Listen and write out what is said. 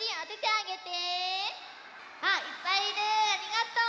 ありがとう。